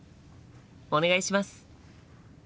お願いします！